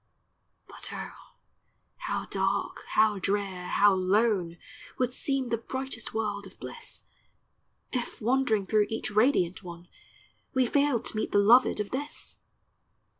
But oh, how dark, how drear, how lone, Would seem the brightest world of bliss, If, wandering through each radiant one, We failed to meet the loved of this